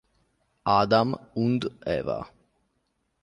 Adam und Eva